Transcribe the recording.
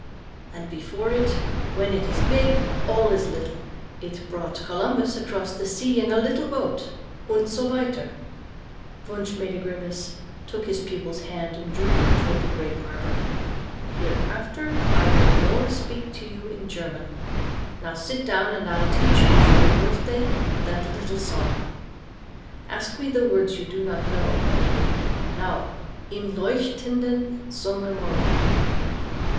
And before it, when it is big, all is little. It brought Columbus across the sea in a little boat, und so weiter." Wunsch made a grimace, took his pupil's hand and drew her toward the grape arbor. "Hereafter I will more speak to you in German. Now, sit down and I will teach you for your birthday that little song. Ask me the words you do not know already. Now: Im leuchtenden Sommermorgen."